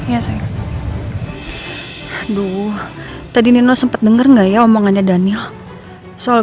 ya saya dulu tadi nino sempet denger nggak ya omongannya daniel soal